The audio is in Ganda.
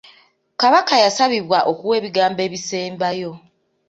Kabaka yasabibwa okuwa ebigambo ebisembayo.